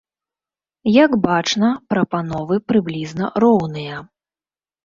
Як бачна, прапановы прыблізна роўныя.